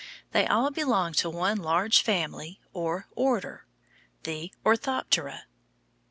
They all belong to one large family or order, the ORTHOPTERA.